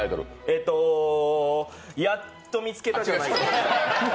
えーと、やっと見つけたじゃない。